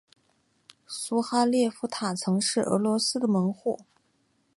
苏哈列夫塔曾是莫斯科的门户。